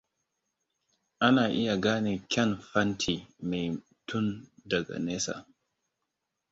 Ana iya gane kyan fanti me mai tun daga nesa.